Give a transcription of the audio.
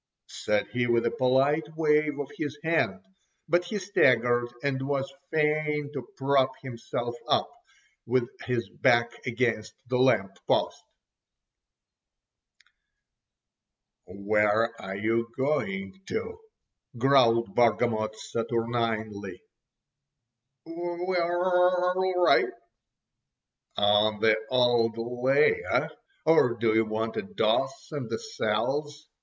said he with a polite wave of his hand, but he staggered, and was fain to prop himself up with his back against the lamp post. "Where are you going to?" growled Bargamot saturninely. "We're orl righ'!" "On the old lay, eh? Or do you want a doss in the cells.